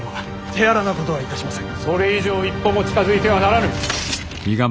それ以上一歩も近づいてはならぬ。